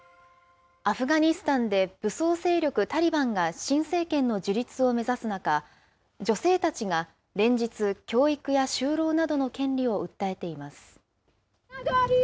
アフガニスタンで武装勢力タリバンが新政権の樹立を目指す中、女性たちが連日、教育や就労などの権利を訴えています。